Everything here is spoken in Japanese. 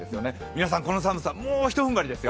皆さん、この寒さ、もう一踏ん張りですよ。